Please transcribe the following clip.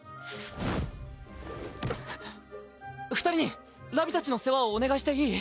二人にラビたちの世話をお願いしていい？